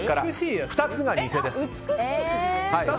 ２つがニセです。